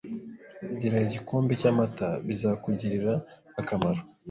Gira igikombe cyamata. Bizakugirira akamaro.